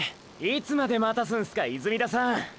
いつまで待たすんすか泉田さん！！